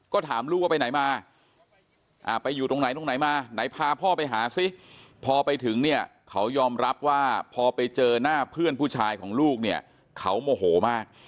ก็ถามลูกว่าไปไหนมาไปอยู่ตรงไหนตรงไหนมาไหนพาพ่อไปหาซิพอไปถึงเนี่ยเขายอมรับว่าพอไปเจอหน้าเพื่อนผู้ชายของลูกเนี่ยเขาโมโหมาก